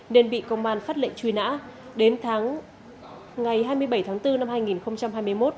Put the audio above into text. nên bị công an phát lệnh truy nã đến ngày hai mươi bảy tháng bốn năm hai nghìn hai mươi một